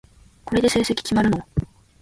これで成績決まるの？